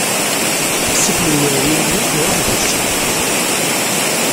Si Ḥmed Waɛli-nni iruḥ deg-sent.